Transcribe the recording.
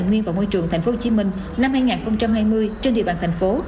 sở tàn niên và môi trường tp hcm năm hai nghìn hai mươi trên địa bàn thành phố